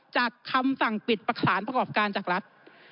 คำสั่งปิดประสานประกอบการจากรัฐ